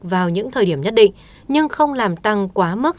vào những thời điểm nhất định nhưng không làm tăng quá mức